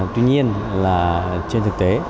tuy nhiên là trên thực tế